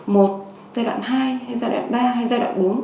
một giai đoạn hai hay giai đoạn ba hay giai đoạn bốn